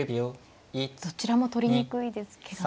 どちらも取りにくいですけどね。